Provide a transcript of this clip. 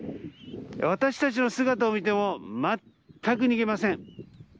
私たちの姿を見てもまったく逃げません。